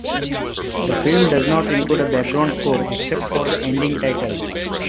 The film does not include a background score, except for the ending titles.